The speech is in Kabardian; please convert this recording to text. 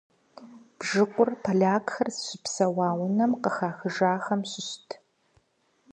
Бжыкъур полякхэр зыщыпсэуа унэхэм къыхахыжахэм щыщт.